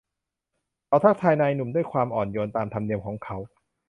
เขาทักทายนายหนุ่มด้วยความอ่อนโยนตามธรรมเนียมของเขา